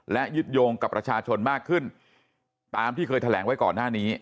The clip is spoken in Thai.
และยึดโยงกับประชาชนมากขึ้นตามที่เคยแถลงไว้ก่อนหน้านี้